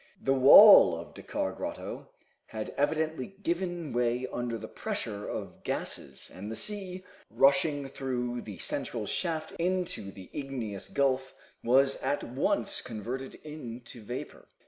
The wall of Dakkar Grotto had evidently given way under the pressure of gases, and the sea, rushing through the central shaft into the igneous gulf, was at once converted into vapor.